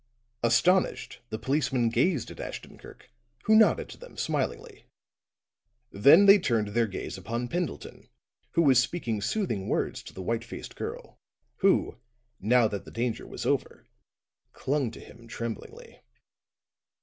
Astonished, the policeman gazed at Ashton Kirk, who nodded to them smilingly, then they turned their gaze upon Pendleton, who was speaking soothing words to the white faced girl, who, now that the danger was over, clung to him tremblingly.